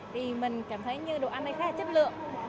thì mình cảm thấy như đồ ăn này khá là chất lượng